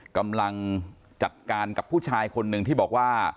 กำลังจัดการกับผู้ชายคนหนึ่งที่บอกว่า